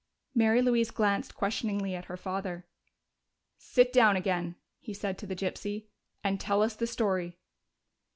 Mary Louise glanced questioningly at her father. "Sit down again," he said to the gypsy, "and tell us the story."